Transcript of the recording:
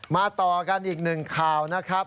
ต่อกันอีกหนึ่งข่าวนะครับ